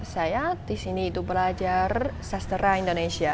saya di sini itu belajar sastra indonesia